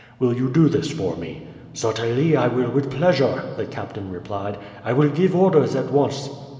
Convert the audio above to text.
Will you do this for me?" "Certainly I will, with pleasure," the captain replied. "I will give orders at once."